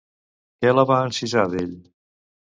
Què la va encisar d'ell?